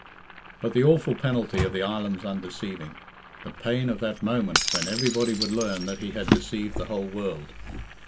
But the awful penalty of the island's undeceiving! The pain of that moment when everybody would learn that he had deceived the whole world!